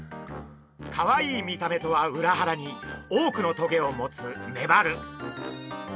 かわいい見た目とは裏腹に多くのトゲを持つメバル。